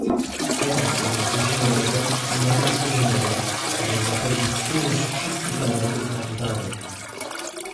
Teraz jednak musimy dokonać zmiany rozporządzenia, aby zapewnić spójność wszystkich elementów ram prawnych